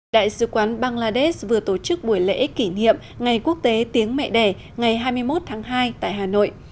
đại sứ quán bangladesh vừa tổ chức buổi lễ kỷ niệm ngày quốc tế tiếng mẹ đẻ ngày hai mươi một tháng hai tại hà nội